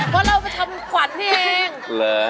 เพราะเราไปทำขวัญนี่เอง